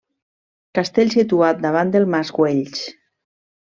Castell situat davant del mas Güells.